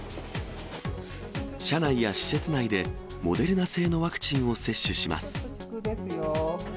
車内や施設内でモデルナ製のワクチンを接種します。